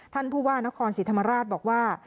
ท่านผู้ว่านครศรีธรรมราชบอกว่า